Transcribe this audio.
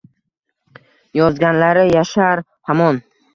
Yozganlari yashar hamon